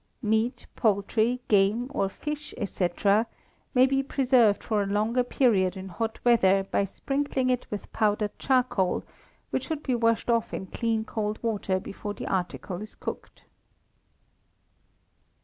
Meat, poultry, game or fish, &c., may be preserved for a longer period in hot weather by sprinkling it with powdered charcoal, which should be washed off in clean cold water before the article is cooked.